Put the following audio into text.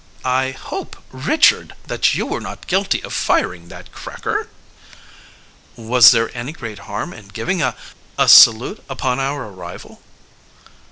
I hope, Richard, that you were not guilty of firing that cracker?" "Was there any great harm in giving a... a salute upon our arrival?"